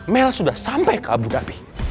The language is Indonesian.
mel sudah sampai ke abu dhabi